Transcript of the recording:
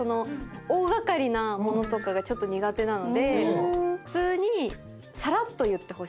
大掛かりなものとかがちょっと苦手なので普通にさらっと言ってほしいというか。